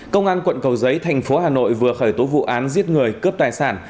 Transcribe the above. công an quận cầu giấy thành phố hà nội vừa khởi tố vụ án giết người cướp tài sản